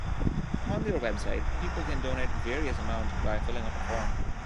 On their website people can donate various amount by filling up a form.